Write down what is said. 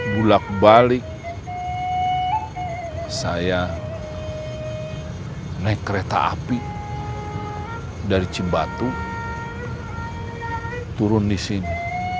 bulat balik saya naik kereta api dari cimbatu turun di sini